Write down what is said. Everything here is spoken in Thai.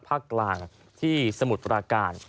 ภาคกลางที่สมุทรปราการ